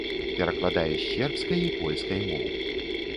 Перакладае з сербскай і польскай моў.